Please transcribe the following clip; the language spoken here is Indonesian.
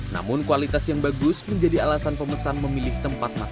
namun kualitas yang bagus menjadi alasan pemesan memilih tempat makan